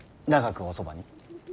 長くおそばに？